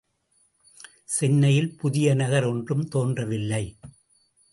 சென்னையில் புதிய நகர் ஒன்றும் தோன்ற வில்லை.